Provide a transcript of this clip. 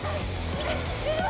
うわ！